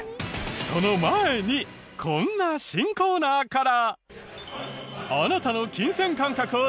その前にこんな新コーナーから。あなたの金銭感覚をチェック。